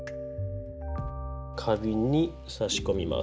花瓶に挿し込みます。